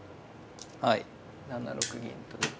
はい７六銀と出て。